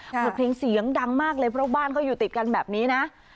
เปิดเพลงเสียงดังมากเลยเพราะบ้านเขาอยู่ติดกันแบบนี้นะ